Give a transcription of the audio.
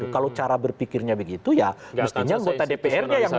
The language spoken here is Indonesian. kalau cara berpikirnya begitu ya mestinya menggoda dpr